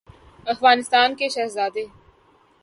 افغانستان کےشہزاد ے